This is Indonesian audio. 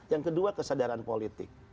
yang kedua kesadaran politik